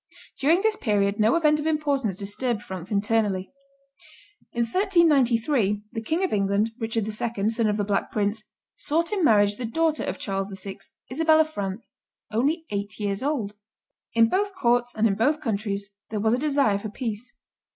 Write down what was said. During this period no event of importance disturbed France internally. In 1393 the King of England, Richard II., son of the Black Prince, sought in marriage the daughter of Charles VI., Isabel of France, only eight years old. In both courts and in both countries there was a desire for peace.